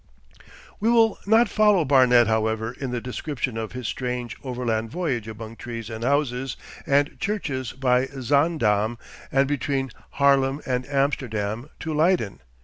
'... We will not follow Barnet, however, in the description of his strange overland voyage among trees and houses and churches by Zaandam and between Haarlem and Amsterdam, to Leiden.